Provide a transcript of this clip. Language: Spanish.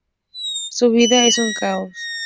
Su vida es un caos.